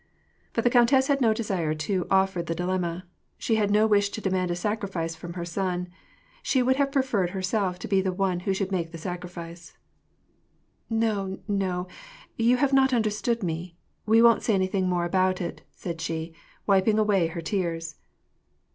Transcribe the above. But the countess had no desire to offer the dilemma : she had no wish to demand a sacrifice from her son ; she would have preferred herself to be the one who should make the sacri fice. " No, no, you have not understood me ; we won't say any thing more about it," said she, wiping away her tears.